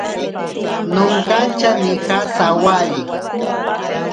Nonkatya nija sawari.